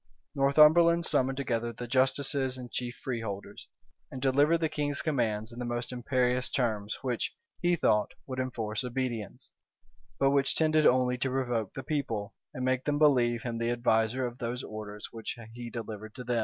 Northumberland summoned together the justices and chief freeholders, and delivered the king's commands in the most imperious terms which, he thought, would enforce obedience, but which tended only to provoke the people, and make them believe him the adviser of those orders which he delivered to them.